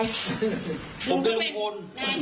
ก็เป็นลุงคน